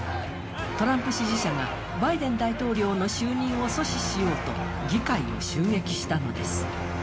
トランプ支持者がバイデン大統領の就任を阻止しようと、議会を襲撃したのです。